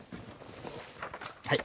はい。